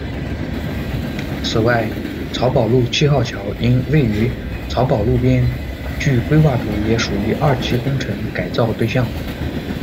此外，漕宝路七号桥因位于漕宝路边，据规划图也属于二期工程改造对象。